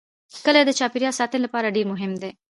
کلي د چاپیریال ساتنې لپاره ډېر مهم دي.